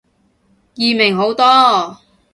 易明好多